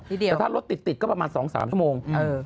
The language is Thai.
แต่ถ้ารถติดก็ประมาณ๒๓ชั่วโมง